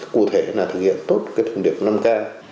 cụ thể là thực hiện tốt thông điệp năm k